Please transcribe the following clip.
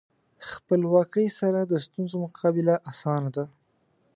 خپلواکۍ سره د ستونزو مقابله اسانه ده.